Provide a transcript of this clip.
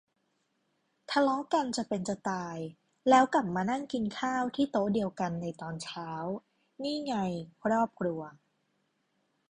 ทะเลาะกันจะเป็นจะตาย แล้วกลับมานั่งกินข้าวที่โต๊ะเดียวกันในตอนเช้า นี่ไง ครอบครัว